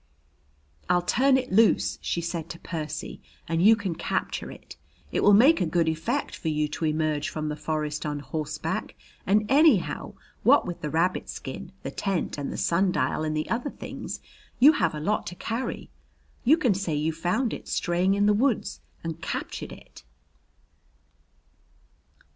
"I'll turn it loose," she said to Percy, "and you can capture it. It will make a good effect for you to emerge from the forest on horseback, and anyhow, what with the rabbit skin, the tent, and the sundial and the other things, you have a lot to carry. You can say you found it straying in the woods and captured it."